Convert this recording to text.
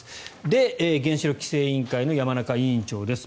で、原子力規制委員会の山中委員長です。